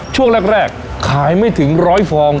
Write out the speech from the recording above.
ช่วงแรกขายไม่ถึง๑๐๐ฟอง